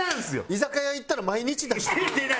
居酒屋行ったら毎日出してくれる。